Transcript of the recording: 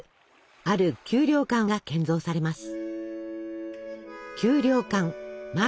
ある給糧艦が建造されます。